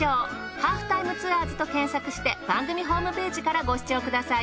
『ハーフタイムツアーズ』と検索して番組ホームページからご視聴ください。